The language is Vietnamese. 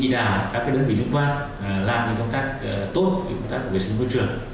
đào các đơn vị dân khoa làm những công tác tốt về công tác của vệ sinh môi trường